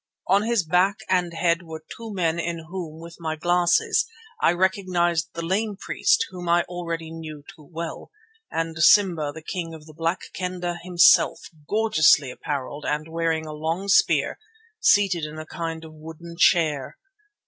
On his back and head were two men in whom, with my glasses, I recognized the lame priest whom I already knew too well and Simba, the king of the Black Kendah, himself, gorgeously apparelled and waving a long spear, seated in a kind of wooden chair.